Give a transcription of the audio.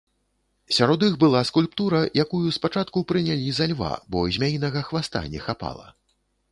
Сярод іх была скульптура, якую спачатку прынялі за льва, бо змяінага хваста не хапала.